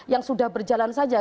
yang sudah berjalan saja